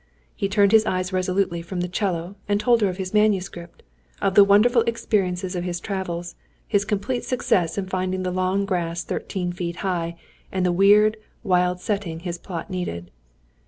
He turned his eyes resolutely from the 'cello, and told her of his manuscript, of the wonderful experiences of his travels, his complete success in finding the long grass thirteen feet high, and the weird, wild setting his plot needed.